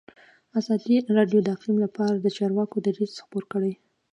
ازادي راډیو د اقلیم لپاره د چارواکو دریځ خپور کړی.